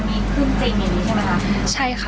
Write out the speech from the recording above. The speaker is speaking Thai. มีการคู่คุยว่าเฮ้ยมีเหตุการณ์ขึ้นจริงใช่มั้ยคะ